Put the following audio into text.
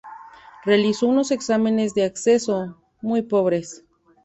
Realizó unos exámenes de acceso muy pobres.